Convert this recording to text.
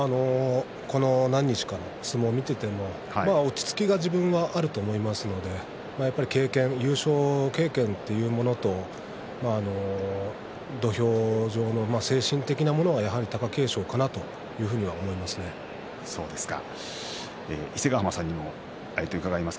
この何日かの相撲を見ていても落ち着きが自分はあると思いますので優勝経験というものと土俵上の精神的なものはやはり伊勢ヶ濱さんにもあえて伺います。